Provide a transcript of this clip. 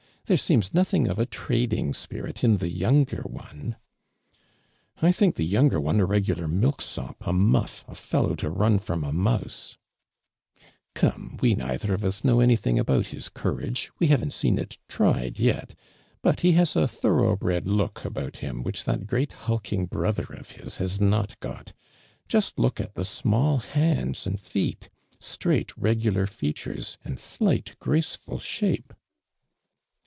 "There seems nothing of a trading spirit in the younger one.'' " I think the younger one a regular milk sop, a muff, a fellow to run from a mouse I' "Come, we neither of us know anything about his courage — we haven't seen it tried yet ; but, he has a thorough !)red look about him which that great hulking brother ofhish.is not got. Just look at the small hands and feet— straight, regular feature^. and slight graceful .shape!''